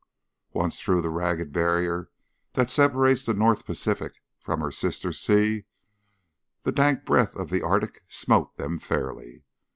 Once through the ragged barrier that separates the North Pacific from her sister sea, the dank breath of the Arctic smote them fairly.